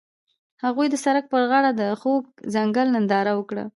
هغوی د سړک پر غاړه د خوږ ځنګل ننداره وکړه.